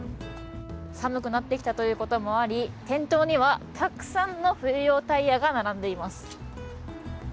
寒くなってきたということもあり、店頭にはたくさんの冬用タイヤが並んでいます。